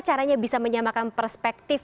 caranya bisa menyamakan perspektif